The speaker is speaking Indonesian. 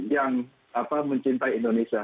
yang mencintai indonesia